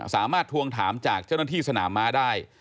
ทวงถามจากเจ้าหน้าที่สนามม้าได้